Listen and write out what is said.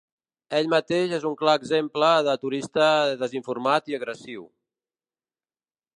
Ell mateix és un clar exemple de turista desinformat i agressiu.